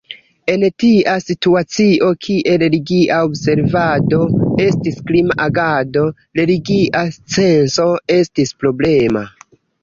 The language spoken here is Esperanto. En tia situacio, kie religia observado estis krima agado, religia censo estis problema.